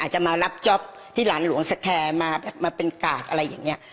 อาจจะมารับจอบที่หลานหลวงแสดงแทนมามาเป็นกาดอะไรอย่างเงี้ย